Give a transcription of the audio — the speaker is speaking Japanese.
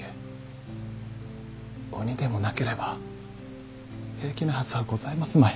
鬼でもなければ平気なはずはございますまい。